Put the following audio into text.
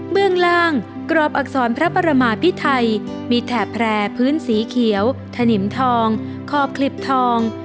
เมืองล่างกรอบอักษรพระประมาพิไทยมีแถบแพร่พื้นสีเขียวถนิมทองขอบคลิบทอง